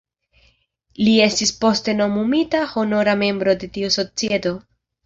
Li estis poste nomumita honora membro de tiu Societo.